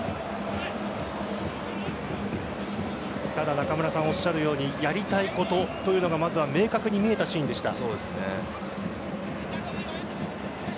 ただ、中村さんがおっしゃるようにやりたいことが明確に見えたシーンでした。